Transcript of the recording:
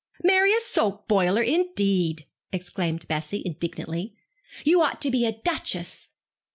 'Marry a soap boiler, indeed!' exclaimed Bessie, indignantly; 'you ought to be a duchess!'